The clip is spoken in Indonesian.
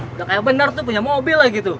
udah kayak bener tuh punya mobil lagi tuh